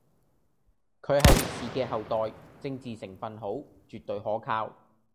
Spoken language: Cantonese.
佢係烈士嘅後代，政治成份好，絕對可靠